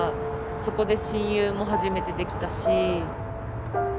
そこで親友も初めてできたし。